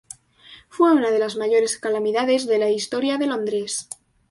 Fue una de las mayores calamidades de la historia de Londres.